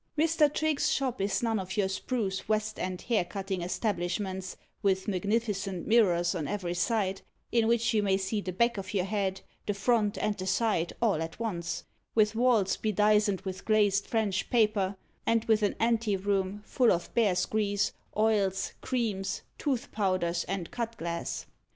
Mr. Trigge's shop is none of your spruce West End hair cutting establishments, with magnificent mirrors on every side, in which you may see the back of your head, the front, and the side, all at once, with walls bedizened with glazed French paper, and with an ante room full of bears' grease, oils, creams, tooth powders, and cut glass.